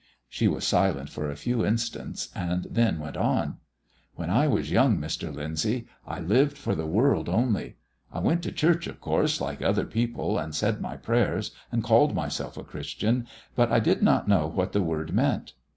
She was silent for a few instants, and then went on "When I was young, Mr. Lyndsay, I lived for the world only. I went to church, of course, like other people, and said my prayers and called myself a Christian, but I did not know what the word meant.